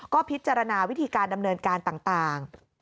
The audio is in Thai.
ก็พิจารณาวิธีการดำเนินการต่าง